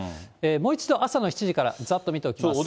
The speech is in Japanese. もう一度、朝の７時からざっと見ておきます。